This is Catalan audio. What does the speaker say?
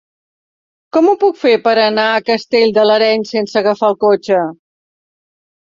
Com ho puc fer per anar a Castell de l'Areny sense agafar el cotxe?